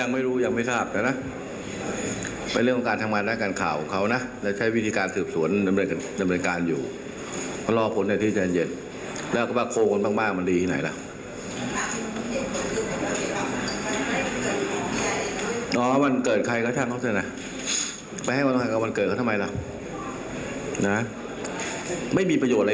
ไว้เลยในการที่เราจะขยายความให้กลุ่มที่ใช้ความแลงทางโลกทำให้มีปัญหาหมด